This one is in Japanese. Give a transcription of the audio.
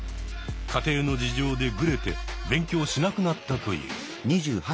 家庭の事情でグレて勉強しなくなったという。